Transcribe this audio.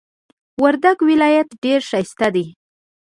وردک ولایت ډیر ښایسته دی.